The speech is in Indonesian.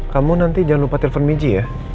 kamu nanti jangan lupa telfon michi ya